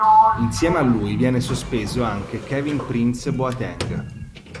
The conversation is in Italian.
Insieme a lui viene sospeso anche Kevin-Prince Boateng.